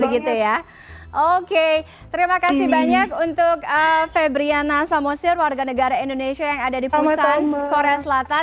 oke terima kasih banyak untuk febriana samosir warga negara indonesia yang ada di pusan korea selatan